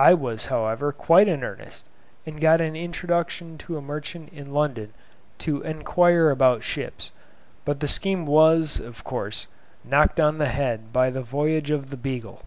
I was, however, quite in earnest, and got an introduction to a merchant in London to enquire about ships; but the scheme was, of course, knocked on the head by the voyage of the "Beagle".